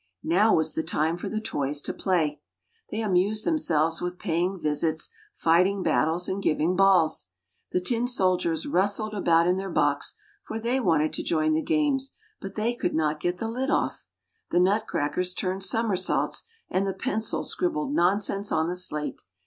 Now was the time for the toys to play; they amused themselves with paying visits, fighting battles, and giving balls. The tin soldiers rustled about in their box, for they wanted to join the games, but they could not get the lid off. The nut crackers turned somer saults, and the pencil scribbled nonsense on the slate.